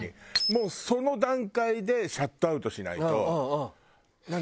もうその段階でシャットアウトしないと何？